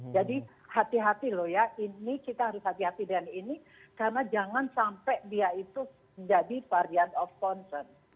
jadi hati hati loh ya ini kita harus hati hati dengan ini karena jangan sampai dia itu menjadi varian of concern